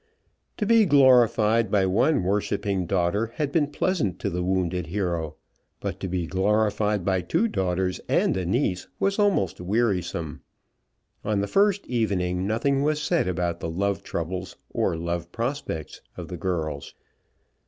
To be glorified by one worshipping daughter had been pleasant to the wounded hero, but to be glorified by two daughters and a niece was almost wearisome. On the first evening nothing was said about the love troubles or love prospects of the girls.